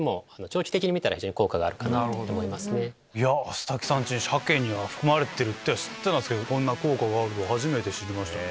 アスタキサンチンシャケには含まれてるって知ってたけどこんな効果があるのは初めて知りましたね。